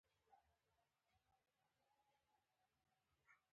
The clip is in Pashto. په ځینو تاریخونو کې راغلي چې دوی شپانه وو.